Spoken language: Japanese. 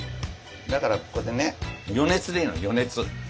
だからここでね余熱でいいの余熱。